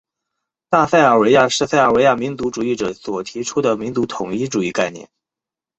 大塞尔维亚是塞尔维亚民族主义者所提出的民族统一主义概念。